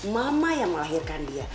mama yang melahirkan dia